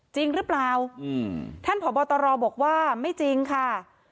จริงหรือเปล่าท่านผอบตรบอกว่าไม่จริงค่ะ